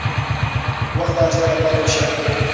وخت د هر چا لپاره یو شان دی.